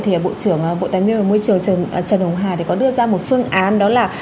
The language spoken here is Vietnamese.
thì bộ tài nguyên và môi trường trần hồng hà thì có đưa ra một phương án đó là